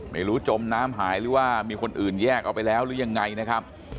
จมน้ำหายหรือว่ามีคนอื่นแยกเอาไปแล้วหรือยังไงนะครับ